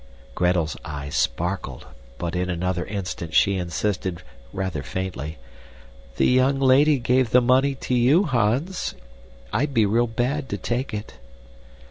Gretel's eyes sparkled, but in another instant she insisted, rather faintly, "The young lady gave the money to YOU, Hans. I'd be real bad to take it."